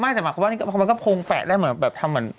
แต่หมายความว่ามันก็โพงแฝะได้เหมือนแบบทำเหมือน